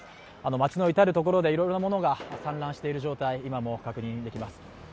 街の至る所でいろんなものが散乱している状態確認できます。